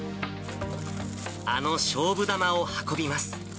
あの勝負玉を運びます。